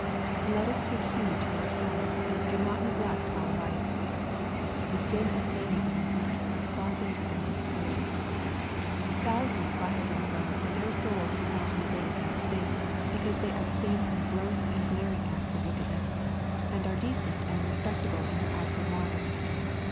Let us take heed to ourselves that we do not neglect OUT light. The sin of many in this matter is far greater than they suppose. Thousands flatter themselves that their souls are not in a very bad state, because they abstain from gross and glaring acts of wickedness, and are decent and respectable in their outward lives.